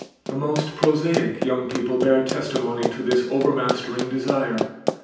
The most prosaic young people bear testimony to this overmastering desire.